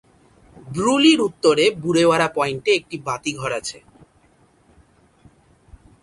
ব্রুলির উত্তরে বুরেওয়ারা পয়েন্টে একটি বাতিঘর আছে।